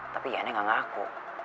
tapi iannya gak ngaku